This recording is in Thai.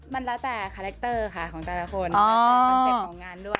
มันแล้วแต่คาแรคเตอร์ค่ะของแต่ละคนแล้วแต่คอนเซ็ปต์ของงานด้วย